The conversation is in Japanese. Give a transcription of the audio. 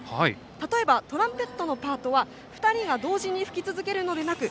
例えばトランペットのパートは２人が同時に吹き続けるのではなく